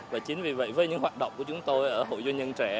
và chính vì vậy với những hoạt động của chúng tôi ở hội doanh nhân trẻ